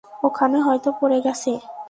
ওখানে হয়তো পড়ে গেছে।